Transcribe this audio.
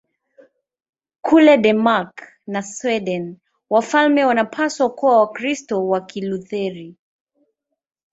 Kule Denmark na Sweden wafalme wanapaswa kuwa Wakristo wa Kilutheri.